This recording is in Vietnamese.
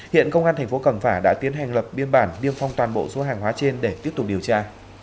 hiện công an tp cầm phả đã tiến hành lập biên bản điêm phong toàn bộ số hàng hóa trên để tiếp tục điều tra